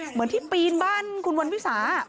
เหมือนที่ปีนบ้านคุณวันวิสา